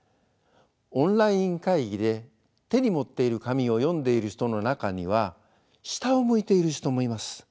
オンライン会議で手に持っている紙を読んでいる人の中には下を向いている人もいます。